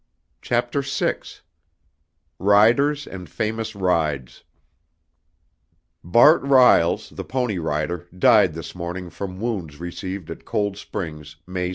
Chapter VI Riders and Famous Rides Bart Riles, the pony rider, died this morning from wounds received at Cold Springs, May 16.